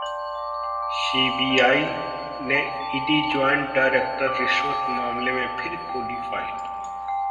CBI ने ED joint director रिश्वत मामले में फिर खोली फाइल